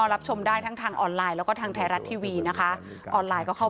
แบบทิมไทรัสทอล์กเนี่ยเจออยู่แล้ว